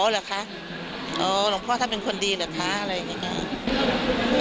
เหรอคะอ๋อหลวงพ่อท่านเป็นคนดีเหรอคะอะไรอย่างนี้